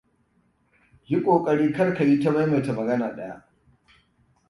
Yi ƙoƙari kar ka yi ta maimaita magana ɗaya.